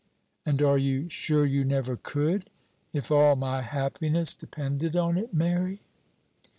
"And are you sure you never could, if all my happiness depended on it, Mary?"